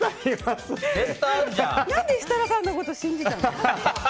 何で設楽さんのこと信じたの？